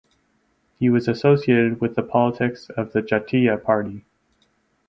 He was associated with the politics of the Jatiya Party.